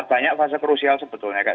kata banyak fase krusial sebetulnya